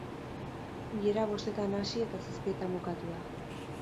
Bilera bostetan hasi, eta zazpietan bukatu da.